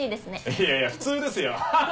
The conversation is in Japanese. いやいや普通ですよハハハ！